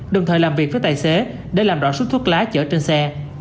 đồng thời làm việc với tài xế để làm rõ xuất thuốc lá chở trên xe